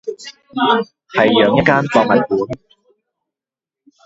係養一間博物館